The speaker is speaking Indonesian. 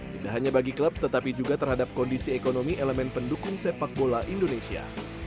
tidak hanya bagi klub tetapi juga terhadap kondisi ekonomi elemen pendukung sepak bola indonesia